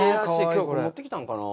今日これ持ってきたんかな。